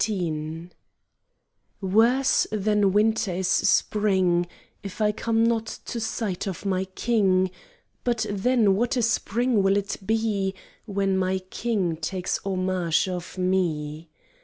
XV Worse than winter is spring If I come not to sight of my king: But then what a spring will it be When my king takes homage of me!